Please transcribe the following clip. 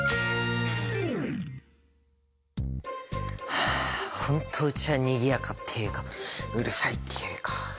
はあ本当うちはにぎやかっていうかうるさいっていうか。